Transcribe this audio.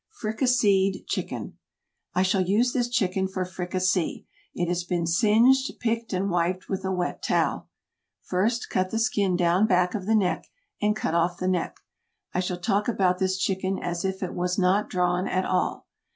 FRICASSEED CHICKEN. I shall use this chicken for fricassee; it has been singed, picked and wiped with a wet towel. First, cut the skin down back of the neck, and cut off the neck. I shall talk about this chicken as if it was not drawn at all.